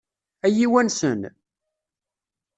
Ad iyi-wansen?